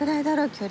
距離。